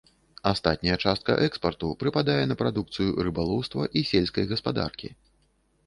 Астатняя частка экспарту прыпадае на прадукцыю рыбалоўства і сельскай гаспадаркі.